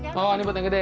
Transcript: ini yang buat yang gede